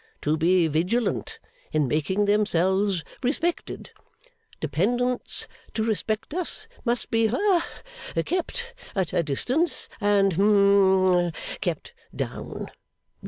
To be vigilant in making themselves respected. Dependants, to respect us, must be ha kept at a distance and hum kept down.